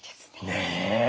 ねえ。